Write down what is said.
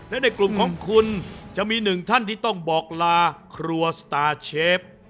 และในกลุ่มของคุณจะมีหนึ่งท่านที่ต้องบอกลาครัวสตาร์เชฟ